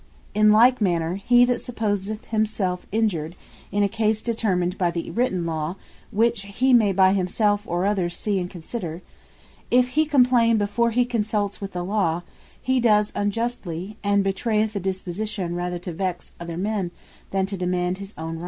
In like manner, he that supposeth himself injured, in a case determined by the written Law, which he may by himself, or others see and consider; if he complaine before he consults with the Law, he does unjustly, and bewrayeth a disposition rather to vex other men, than to demand his own right.